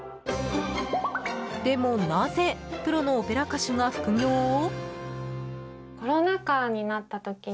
でもなぜ、プロのオペラ歌手が副業を？